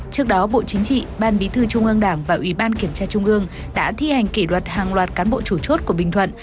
trước đó bộ chính trị ban bí thư trung ương đảng và ủy ban kiểm tra trung ương đã thi hành kỷ luật hàng loạt cán bộ chủ chốt của bình thuận